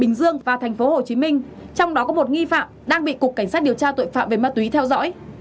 trên biểu kiện ghi địa chỉ của nhiều người nhận tại hải dương hồ chí minh trong đó có một nghi phạm đang bị cục cảnh sát điều tra tội phạm về ma túy theo dõi